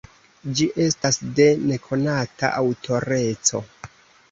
Ĝi estas de nekonata aŭtoreco.